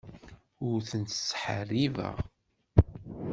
Ur ten-ttḥeṛṛibeɣ.